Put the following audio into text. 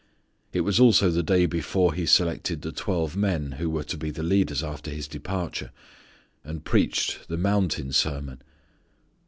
It was also the day before He selected the twelve men who were to be the leaders after His departure, and preached the mountain sermon.